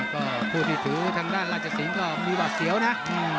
ก็พูดถือถือทางด้านราชสิงฮ์ก็มีบัตรเสียวนะอืม